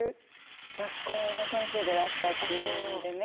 学校の先生でいらしたっていうのでね